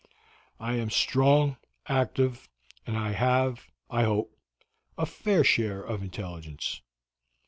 I am strong, active, and have, I hope, a fair share of intelligence.